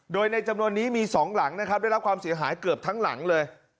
โดยในจำนวนนี้มี๒หลังนะครับได้รับความเสียหายเกือบทั้งหลังเลย